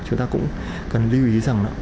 chúng ta cũng cần lưu ý rằng